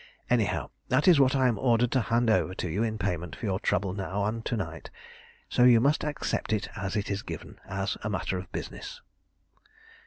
Anyhow, that is what I am ordered to hand over to you in payment for your trouble now and to night, so you must accept it as it is given as a matter of business."